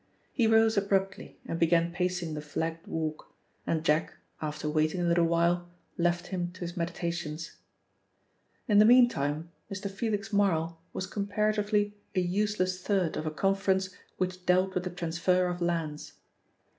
He rose abruptly and began pacing the flagged walk, and Jack, after waiting a little while, left him to his meditations. In the meantime, Mr. Felix Marl was comparatively a useless third of a conference which dealt with the transfer of lands.